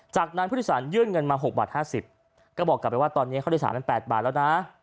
จากนั้นผู้โดยสารยื่นเงินมา๖บาท๕๐ก็บอกกลับไปว่าตอนนี้ค่าโดยสารมัน๘บาทแล้วนะ